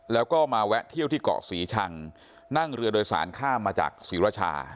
แล้วก็มาแวะเที่ยวที่เกาะศรีชังนั่งเรือโดยสารข้ามมาจากศรีรชา